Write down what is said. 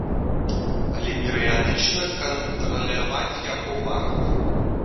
Але перыядычна кантраляваць яго варта.